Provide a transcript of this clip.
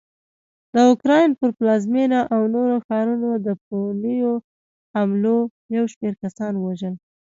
د اوکراین پر پلازمېنه او نورو ښارونو د پرونیو حملو یوشمېر کسان ووژل